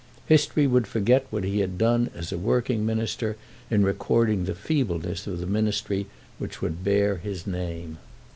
History would forget what he had done as a working Minister in recording the feebleness of the Ministry which would bear his name.